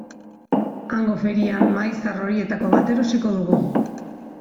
Hango ferian mahai zahar horietako bat erosiko dugu.